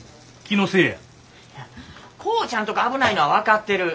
浩ちゃんとこ危ないのは分かってる。